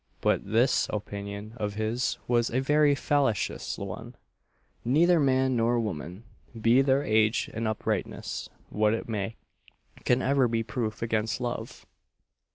But this opinion of his was a very fallacious one, neither man nor woman, be their age and uprightness what it may, can ever be proof against love.